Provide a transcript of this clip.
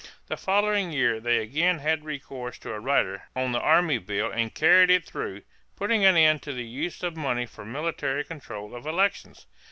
The following year they again had recourse to a rider on the army bill and carried it through, putting an end to the use of money for military control of elections.